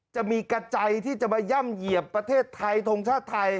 จะมีกระใจที่จะมาย่ำเหยียบประเทศไทยทงชาติไทย